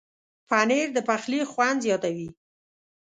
پنېر د پخلي خوند زیاتوي.